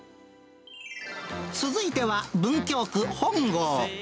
続いては文京区本郷。